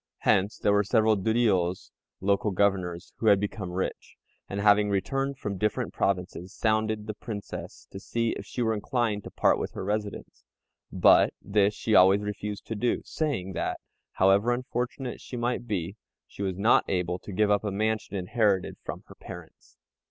Hence there were several Duriôs (local governors) who had become rich, and having returned from different provinces, sounded the Princess to see if she were inclined to part with her residence; but this she always refused to do, saying that, however unfortunate she might be, she was not able to give up a mansion inherited from her parents.